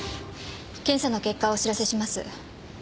検査の結果をお知らせします。